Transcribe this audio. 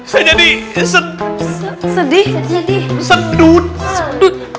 saya jadi sedih jadi sedut sedut